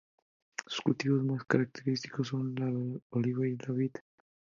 Sus cultivos más característicos son la oliva y la vid.